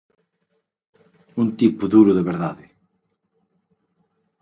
Un tipo duro de verdade...